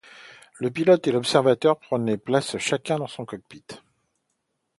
Le pilote et l’observateur prenaient place chacun dans un cockpit.